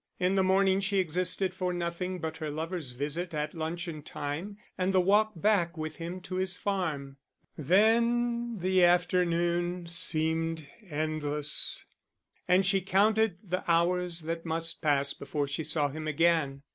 In the morning she existed for nothing but her lover's visit at luncheon time, and the walk back with him to his farm; then the afternoon seemed endless, and she counted the hours that must pass before she saw him again.